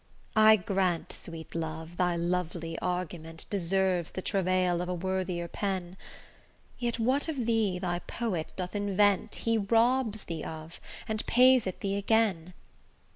I grant, sweet love, thy lovely argument Deserves the travail of a worthier pen; Yet what of thee thy poet doth invent He robs thee of, and pays it thee again.